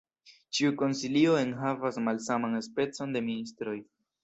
Ĉiu konsilio enhavas malsaman specon de ministroj.